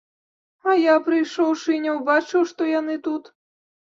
А я, прыйшоўшы, і не ўбачыў, што яны тут.